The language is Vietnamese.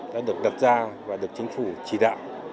đã được đặt ra và được chính phủ chỉ đạo